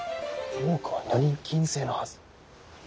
大奥は女人禁制のはず。